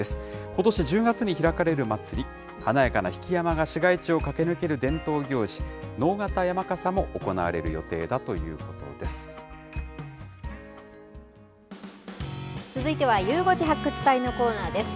ことし１０月に開かれる祭り、華やかなひき山が市街地を駆け抜ける伝統行事、直方山笠も行われ続いてはゆう５時発掘隊のコーナーです。